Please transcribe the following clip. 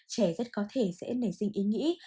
trẻ rất có thể sẽ nảy sinh ý nghĩ